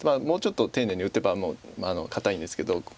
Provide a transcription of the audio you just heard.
もうちょっと丁寧に打てばもう堅いんですけど。